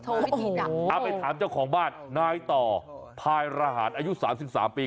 โอ้โหเอาไปถามเจ้าของบ้านนายต่อภายรหาศอายุ๓๓ปี